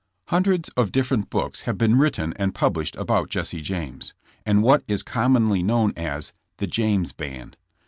Tjr UNDREDS of different books have been writ £JLg ten and published about Jesse James, and what ^^J is commonly known as "The James Band."